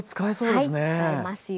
はい使えますよ。